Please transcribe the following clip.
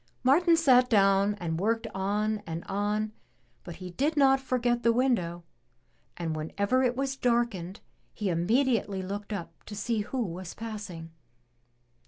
Martin sat down and worked on and on, but he did not forget the window, and whenever it was darkened, he immediately looked up to see who was passing.